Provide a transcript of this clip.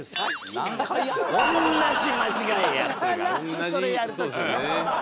必ずそれやる時。